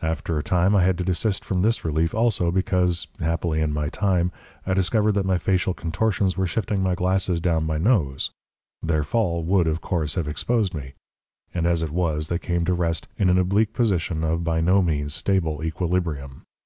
After a time I had to desist from this relief also, because happily in time I discovered that my facial contortions were shifting my glasses down my nose. Their fall would, of course, have exposed me, and as it was they came to rest in an oblique position of by no means stable equilibrium.